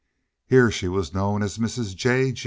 Here she was known as Mrs. J.